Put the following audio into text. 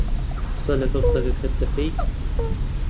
قسە لەگەڵ سەگەکەت دەکەیت؟